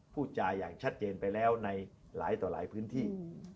พูดจาอย่างชัดเจนไปแล้วในหลายต่อหลายพื้นที่